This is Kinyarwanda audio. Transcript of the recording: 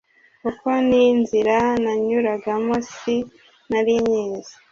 kuko ninzira nanyuragamo si narinyizi,